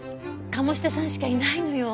鴨志田さんしかいないのよ。